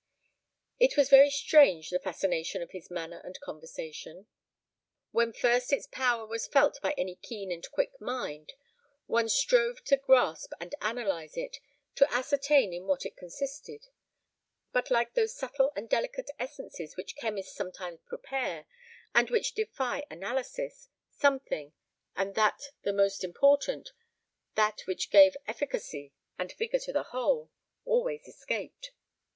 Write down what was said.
It was very strange the fascination of his manner and conversation. When first its power was felt by any keen and quick mind, one strove to grasp and analyze it, to ascertain in what it consisted; but like those subtle and delicate essences which chemists sometimes prepare, and which defy analysis, something, and that the most important, that which gave efficacy and vigour to the whole, always escaped.